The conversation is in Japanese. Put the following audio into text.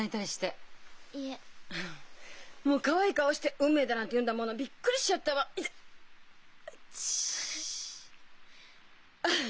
もうかわいい顔して「運命」だなんて言うんだもの。びっくりしちゃったわ痛っ！